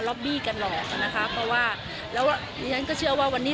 แล้วก็